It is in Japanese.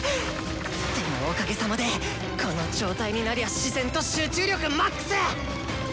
でもおかげさまでこの状態になりゃ自然と集中力ＭＡＸ！